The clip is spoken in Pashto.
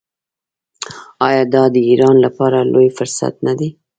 آیا دا د ایران لپاره لوی فرصت نه دی؟